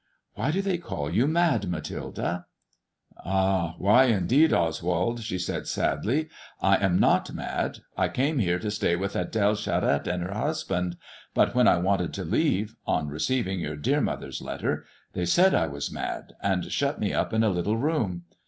" Why do they call you mad, Mathilde ?"" Ah ! why, indeed, Oswald 1 " she said sadly. " I am not mad. I came here to stay with Ad^le Charette and her husband ; but when I wanted to leave, on receiving your dear mother's letter, they said I was mad and shut me up in a little room.